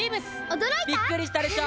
「驚いた？」「びっくりしたでしょ」